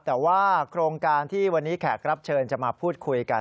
แต่ว่าโครงการที่วันนี้แขกรับเชิญจะมาพูดคุยกัน